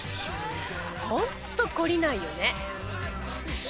ホント懲りないよね。